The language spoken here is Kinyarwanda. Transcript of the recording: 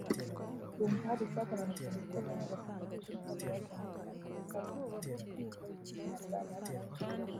bumva hari icyagabanutse ndetse bamwe bakavuga ko nyirabayazana ari agahu kari gapfundikiye umutwe w’igitsina (gland) batakaje